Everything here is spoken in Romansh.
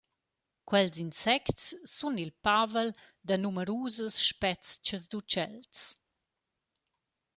Quels insects sun il pavel da numerusas spezchas d’utschels.